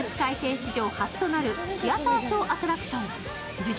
史上初となるシアター・ショー・アトラクション「呪術